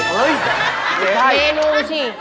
เมนูสิ